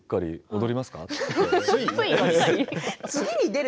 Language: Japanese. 踊りますか？